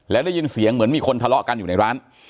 แล้วได้ยินเสียงเหมือนมีคนทะเลาะกันอยู่ในร้าน